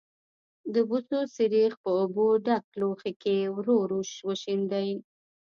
د بوسو سريښ په اوبو ډک لوښي کې ورو ورو وشیندئ.